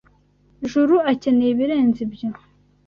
Juru akeneye ibirenze ibyo.